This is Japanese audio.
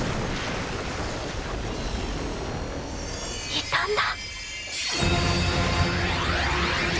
いたんだ。